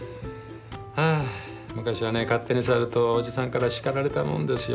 はあ昔はね勝手に触るとおじさんから叱られたもんですよ。